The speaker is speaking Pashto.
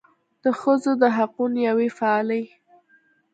د ښځو د حقونو یوې فعالې